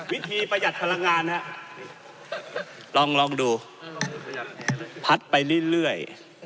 วิธีประหยัดพลังงานฮะลองลองดูพัดไปเรื่อยเรื่อย